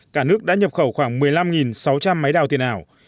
cả nước đã nhập khẩu khoảng một mươi năm sáu trăm linh máy đào tiền ảo